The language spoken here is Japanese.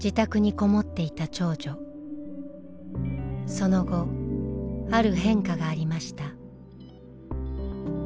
その後ある変化がありました。